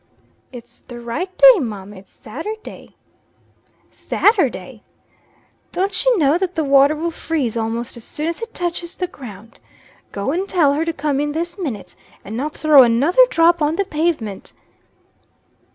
"It's the right day, mum. It's Saturday." "Saturday! Don't she know that the water will freeze almost as soon as it touches the ground? Go and tell her to come in this minute, and not throw another drop on the pavement."